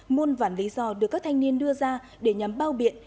môn vản lý do được các thanh niên đưa ra để nhắm bao biện